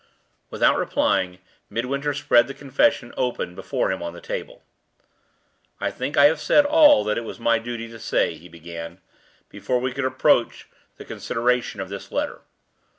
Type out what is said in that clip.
Without replying, Midwinter spread the confession open before him on the table. "I think I have said all that it was my duty to say," he began, "before we could approach the consideration of this letter.